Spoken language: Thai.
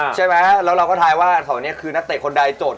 ใช่ไหมแล้วเราก็ทายว่าอันของนี้คือนักเตะคนใดโจทย์